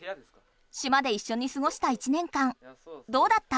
島でいっしょに過ごした一年間どうだった？